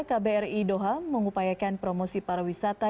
kbri doha mengupayakan promosi pariwisata